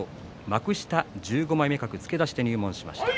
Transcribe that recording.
幕下５５枚目格付け出しで入門しました。